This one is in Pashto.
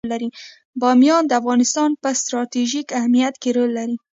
بامیان د افغانستان په ستراتیژیک اهمیت کې رول لري.